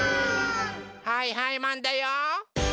はいはいマンだよ！